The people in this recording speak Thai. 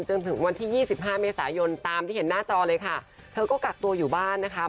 จนถึงวันที่ยี่สิบห้าเมษายนตามที่เห็นหน้าจอเลยค่ะเธอก็กักตัวอยู่บ้านนะคะ